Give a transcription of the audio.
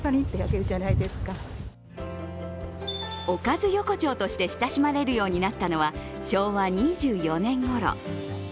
おかず横丁として親しまれるようになったのは昭和２２年ごろ。